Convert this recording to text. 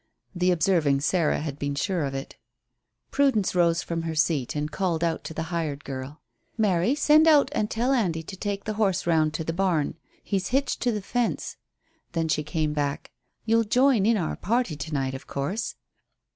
The observing Sarah had been sure of it. Prudence rose from her seat and called out to the hired girl "Mary, send out and tell Andy to take the horse round to the barn. He's hitched to the fence." Then she came back. "You'll join our party to night, of course."